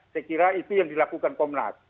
saya kira itu yang dilakukan komnas